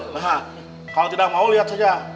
nah kalau tidak mau lihat saja